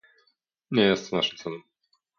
Nie jest to naszym celem